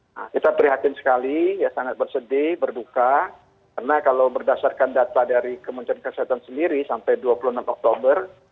nah kita prihatin sekali ya sangat bersedih berduka karena kalau berdasarkan data dari kementerian kesehatan sendiri sampai dua puluh enam oktober